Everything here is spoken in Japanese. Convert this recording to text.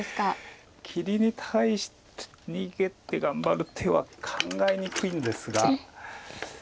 切りに対して逃げて頑張る手は考えにくいんですが。